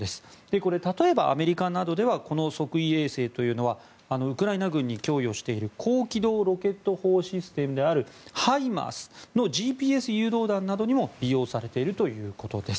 これ、例えばアメリカなどではこの測位衛星というのはウクライナ軍に供与している高機動ロケット砲システムであるＨＩＭＡＲＳのＧＰＳ誘導弾などにも利用されているということです。